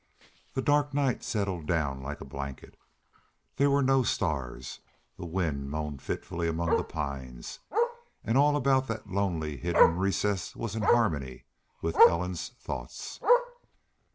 The dark night settled down like a blanket. There were no stars. The wind moaned fitfully among the pines, and all about that lonely, hidden recess was in harmony with Ellen's thoughts.